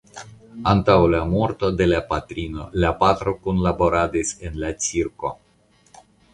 Antaŭ la morto de la patrino la patro kunlaboradis en la cirko.